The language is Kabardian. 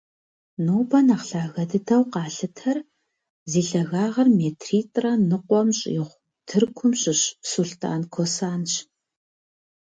Нобэ нэхъ лъагэ дыдэу къалъытэр, зи лъагагъыр метритӏрэ ныкъуэм щӏигъу, Тыркум щыщ Сулътӏан Косэнщ.